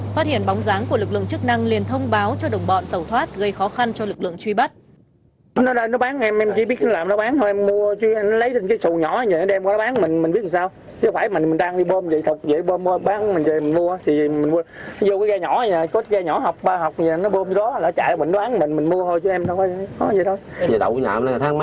phát hiện bóng dáng của lực lượng chức năng liền thông báo cho đồng bọn tẩu thoát gây khó khăn cho lực lượng truy bắt